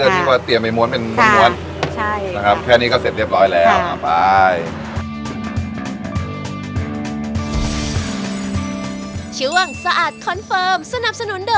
เพื่อนที่ก็เตรียมใหม่ม้วนเป็นมันม้วน